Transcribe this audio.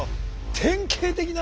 典型的な。